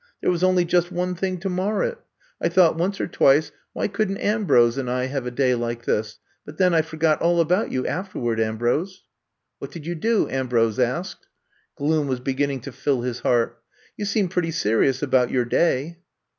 There was only just one thing to mar it. I I'VE COMB TO STAY 103 thought once or twice, * Why could n't Am brose and I have a day like thist But then I forgot all about you afterward, Am brose. '* *^What did you dof Ambrose asked. Gloom was beginning to fill his heart. You seemed pretty serious about your day.'